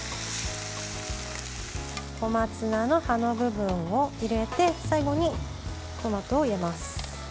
小松菜の葉の部分を入れて最後にトマトを入れます。